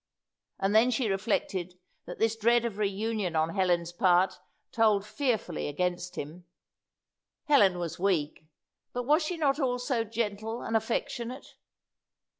And then she reflected that this dread of reunion on Helen's part told fearfully against him. Helen was weak, but was she not also gentle and affectionate?